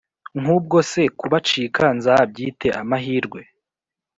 nk’ubwo se kubacika nzabyite amahirwe